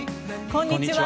こんにちは。